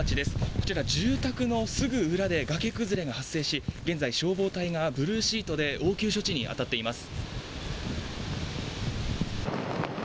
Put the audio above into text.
こちら、住宅のすぐ裏で崖崩れが発生し現在、消防隊がブルーシートで応急処置に当たっています。